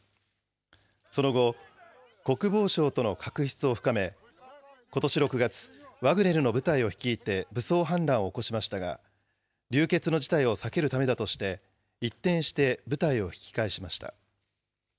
その後、国防省との確執を深め、ことし６月、ワグネルの部隊を率いて武装反乱を起こしましたが、流血の事態を避けるためだとして、一転して部隊を引き返しました。